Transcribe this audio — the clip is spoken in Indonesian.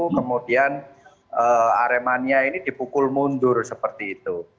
kemudian aremania ini dipukul mundur seperti itu